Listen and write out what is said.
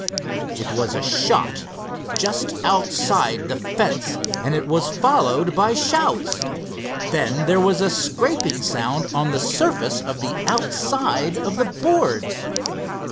It was a shot, just outside the fence, and it was followed by shouts. Then there was a scraping sound on the surface of the outside of the boards.